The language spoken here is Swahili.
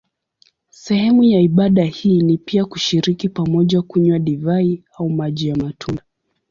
Sehemu ya ibada hii ni pia kushiriki pamoja kunywa divai au maji ya matunda.